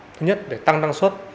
thứ nhất để tăng năng suất